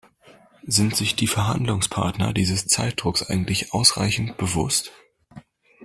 Sind sich die Verhandlungspartner dieses Zeitdrucks eigentlich ausreichend bewusst?